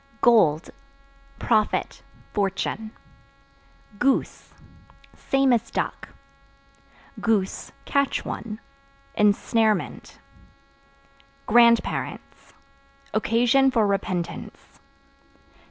Gold Profit, fortune. Goose Same as Duck; (catch one) ensnarement. Grandparents Occasion for repentance.